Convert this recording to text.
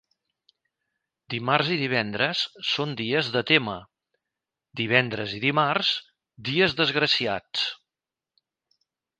Dimarts i divendres són dies de témer; divendres i dimarts, dies desgraciats.